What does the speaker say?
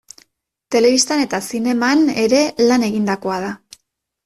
Telebistan eta zineman ere lan egindakoa da.